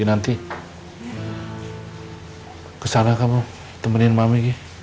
oke nanti kesana kamu temenin mami